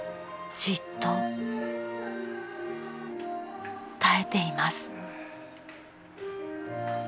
［じっと耐えています］